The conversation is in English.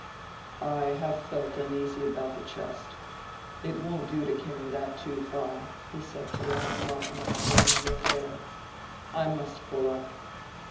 "I have felt uneasy about the chest—it won't do to carry that too far," he said to Ladislaw in explaining the affair. "I must pull up.